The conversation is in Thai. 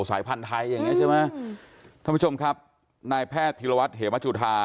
สายพันธุ์ไทยอย่างเงี้ใช่ไหมท่านผู้ชมครับนายแพทย์ธีรวัตรเหมจุธา